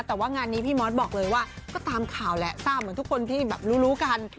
แต่ว่างานนี้พี่มอสบอกเลยว่าก็ตามข่าวแหละทราบเหมือนทุกคนที่แบบรู้กัน